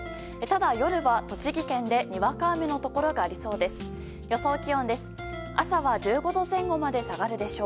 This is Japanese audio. ただ、夜は栃木県でにわか雨のところがありそうです。